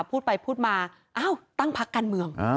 พูดไปพูดมาอ้าวตั้งพักการเมือง